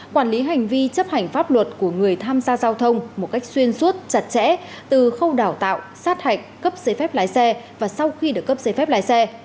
quản lý hành vi chấp hành pháp luật của người tham gia giao thông một cách xuyên suốt chặt chẽ từ khâu đào tạo sát hạch cấp giấy phép lái xe và sau khi được cấp giấy phép lái xe